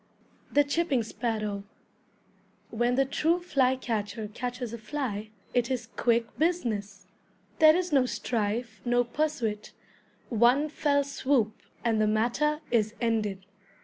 THE CHIPPING SPARROW When the true flycatcher catches a fly, it is quick business. There is no strife, no pursuit, one fell swoop, and the matter is ended.